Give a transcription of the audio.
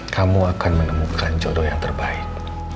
kamu akan menemukan jodoh yang terbaik